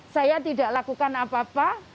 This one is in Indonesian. saya tidak lakukan apa apa